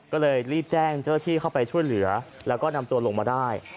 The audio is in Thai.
ก็เลยรีบแจ้งเจ้าที่เข้าไปช่วยเหลือแล้วก็นำตัวลงมาได้